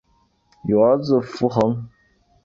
有儿子伏暅。